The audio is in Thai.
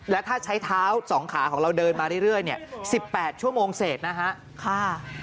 แล้วถ้าใช้เท้า๒ขาของเราเดินมาเรื่อย๑๘ชั่วโมงเศษนะฮะ